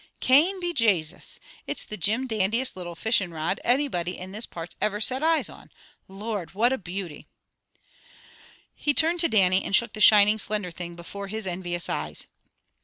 Cane, be Jasus! It's the Jim dandiest little fishing rod anybody in these parts iver set eyes on. Lord! What a beauty!" He turned to Dannie and shook the shining, slender thing before his envious eyes.